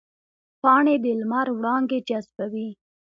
پاڼې د لمر وړانګې جذبوي